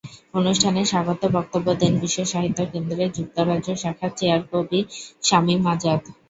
অনুষ্ঠানে স্বাগত বক্তব্য দেন বিশ্বসাহিত্য কেন্দ্রের যুক্তরাজ্য শাখার চেয়ার কবি শামীম আজাদ।